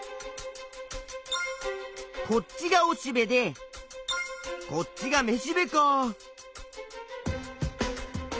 こっちがおしべでこっちがめしべか。